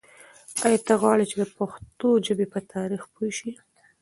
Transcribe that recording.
آیا ته غواړې چې د پښتو ژبې په تاریخ پوه شې؟